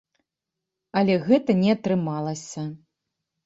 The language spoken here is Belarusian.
Але гэта не атрымалася.